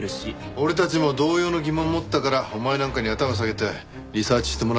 俺たちも同様の疑問持ったからお前なんかに頭下げてリサーチしてもらってんだろうが。